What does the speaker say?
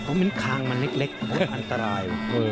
ผมเห็นคางมันเล็กโอ้ยอันตราย